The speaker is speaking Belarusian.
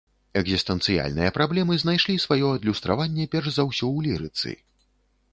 Экзістэнцыяльныя праблемы знайшлі сваё адлюстраванне перш за ўсё ў лірыцы.